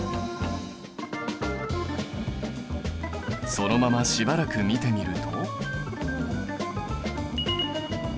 そのまましばらく見てみると。